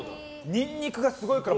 ニンニクがすごい香り